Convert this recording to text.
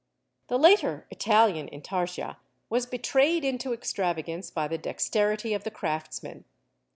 The later Italian Intarsia was betrayed into extravagance by the dexterity of the craftsman.